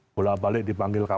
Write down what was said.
bola balik di panggilan